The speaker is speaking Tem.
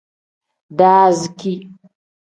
Daaziki.